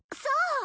そう？